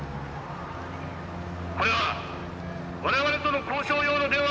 これは我々との交渉用の電話だ！